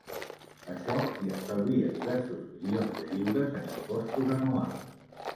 Això li estalvia diversos milions de lliures en impostos anuals.